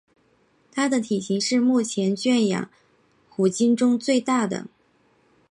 它的体型是目前圈养虎鲸中最大的。